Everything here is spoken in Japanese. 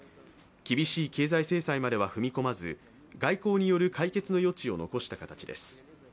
厳しい経済制裁までは踏み込まず外交による解決の余地を残した形です。